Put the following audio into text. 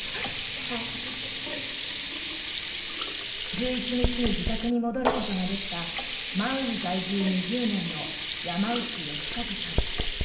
１１日に自宅に戻ることができたマウイ在住２０年の山内良和さん。